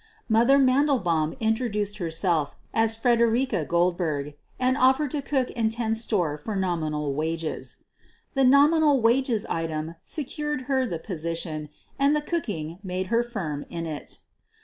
"Mother" Mandelbaum introduced herself as Fredericka Goldberg, and offered to cook and tend store at nominal wages. The "nominal wages" item secured her the posi tion and the cooking made her firm in it.